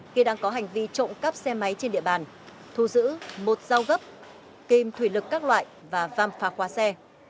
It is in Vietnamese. khi đang có hành vi trộm cắp xe máy trên địa bàn thu giữ một giao gấp kìm thủy lực các loại và văm phá khóa xe